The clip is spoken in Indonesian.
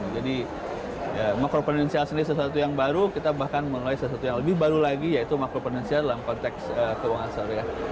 jadi macro prudensial sendiri sesuatu yang baru kita bahkan menulai sesuatu yang lebih baru lagi yaitu macro prudensial dalam konteks keuangan syariah